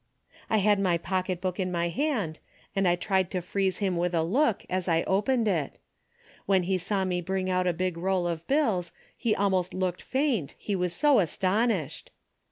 " I had my pocketbook in my hand, and I tried to freeze him with a look as I opened it. When he saw me bring out a big roll of bills he almost looked faint, he was so astonished.